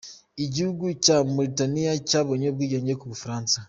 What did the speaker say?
Igihugu cya Mauritania cyabonye ubwigenge ku bufaransa.